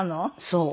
そう。